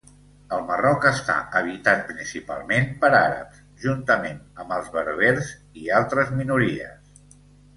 El Marroc està habitat principalment per àrabs, juntament amb els berbers i altres minories.